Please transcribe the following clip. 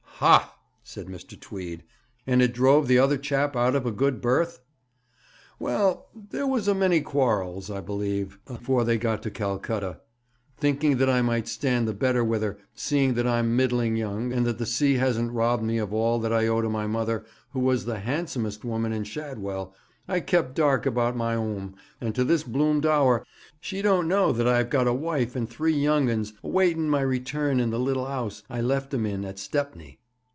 'Ha!' said Mr. Tweed; 'and it drove the other chap out of a good berth?' 'Well, there was a many quarrels, I believe, afore they got to Calcutta. Thinking that I might stand the better with her, seeing that I'm middling young, and that the sea hasn't robbed me of all that I owe to my mother, who was the handsomest woman in Shadwell, I kept dark about my 'ome, and to this bloomed hour she don't know that I've got a wife and three young uns awaiting my return in the little house I left 'em in at Stepney.'